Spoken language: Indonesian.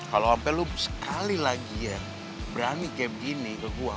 kalau sampe lo sekali lagi ya berani kayak begini ke gue